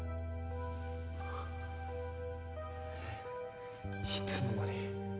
えっいつの間に？